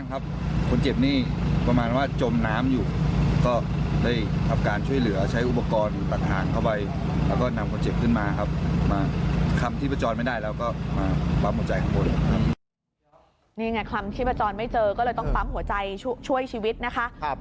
นี่ไงคำชีพจรไม่เจอก็เลยต้องปั๊มหัวใจช่วยชีวิตนะคะ